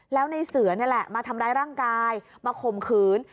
แล้วในเสือนี่แหละมาทำร้ายร่างกายมาข่มขืน